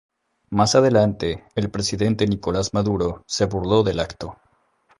Más adelante el presidente Nicolás Maduro se burló del acto.